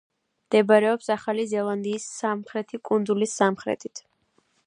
მდებარეობს ახალი ზელანდიის სამხრეთი კუნძულის სამხრეთით.